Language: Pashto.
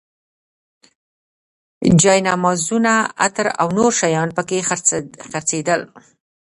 جاینمازونه، عطر او نور شیان په کې خرڅېدل.